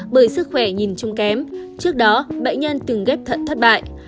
bởi sức khỏe nhìn chung kém trước đó bệnh nhân từng ghép thận thất bại